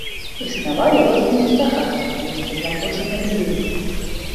Існавалі розныя здагадкі пра месцазнаходжанне будынка.